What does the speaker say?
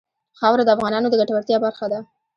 خاوره د افغانانو د ګټورتیا برخه ده.